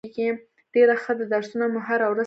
ډیره ښه ده درسونه مو هره ورځ تکرار کړئ